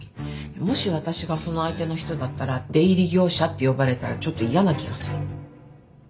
もし私がその相手の人だったら「出入り業者」って呼ばれたらちょっと嫌な気がする。